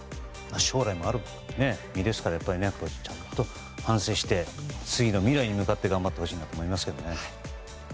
将来もある身ですからちゃんと反省して次の未来に向かって頑張ってほしいなと思いますね。